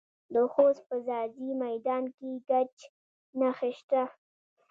د خوست په ځاځي میدان کې د ګچ نښې شته.